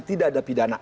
tidak ada pidana